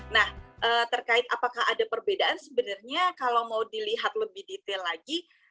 nah terkait apakah ada perbedaan sebenarnya kalau mau dilihat lebih detail lagi